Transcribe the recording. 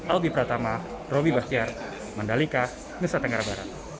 albi pratama robby bahtiar mandalika nusa tenggara barat